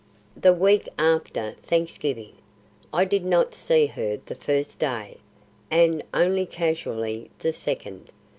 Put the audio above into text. "The week after Thanksgiving. I did not see her the first day, and only casually the second.